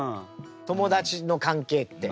友達の関係って。